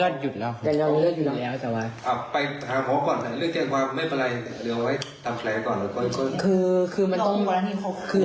ดูซิของร้านล้ายยยย